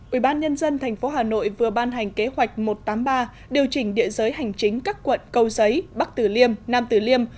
ubnd tp hà nội vừa ban hành kế hoạch một trăm tám mươi ba điều chỉnh địa giới hành chính các quận câu giấy bắc tử liêm nam tử liêm